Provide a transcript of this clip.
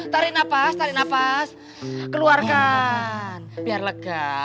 tarik nafas tarik nafas keluarkan biar lega